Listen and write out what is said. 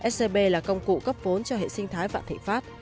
scb là công cụ cấp vốn cho hệ sinh thái vạn thịnh pháp